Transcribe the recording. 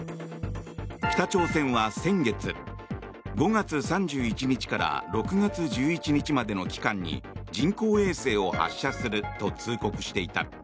北朝鮮は先月、５月３１日から６月１１日までの間に人工衛星を発射すると通告していた。